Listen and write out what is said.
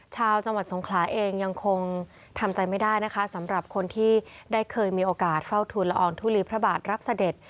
ชาวจังหวัดสงขลาเองยังคงทำใจไม่ได้นะคะสำหรับคนที่ได้เคยมีโอกาสเฝ้าทุนละอองทุลีพระบาทรับเสด็จ